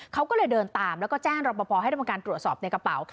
เขาก็เลยเดินตามแล้วก็แจ้งรอปภให้ทำการตรวจสอบในกระเป๋า